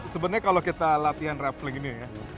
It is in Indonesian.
sebenernya kalo kita latihan rappeling ini